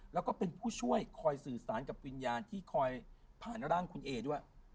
แล้วก็เป็นผู้ช่วยคอยสื่อสารกับวิญญาณที่คอยผ่านร่างคุณเอด้วย